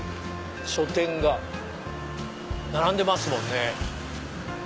書店が並んでますもんね。